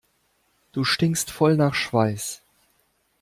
Du stinkst voll nach Schweiß.